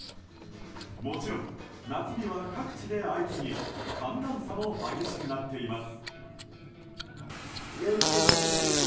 もちろん、夏日は各地で相次ぎ寒暖差も激しくなっています。